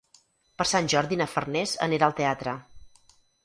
Per Sant Jordi na Farners anirà al teatre.